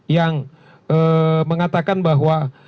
yang mengatakan bahwa